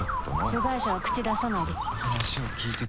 「部外者は口出さないで」